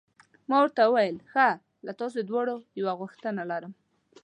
ما ورته وویل: ښه، له تاسي دواړو یوه غوښتنه لرم.